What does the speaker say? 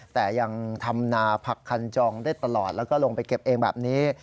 แต่ยังทำนาผักคันจองได้ตลอดแล้วก็ลงไปเก็บเองแบบนี้